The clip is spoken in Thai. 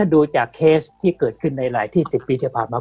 ดูจากเคสที่เกิดขึ้นในหลายที่๑๐ปีที่ผ่านมา